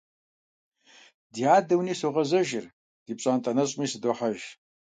Ди адэ уни согъэзэжыр, ди пщӀантӀэ нэщӀми сыдохьэж.